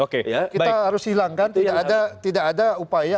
kita harus hilangkan tidak ada upaya